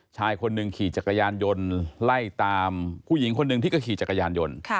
ชายคนหนึ่งขี่จักรยานยนต์ไล่ตามผู้หญิงคนหนึ่งที่ก็ขี่จักรยานยนต์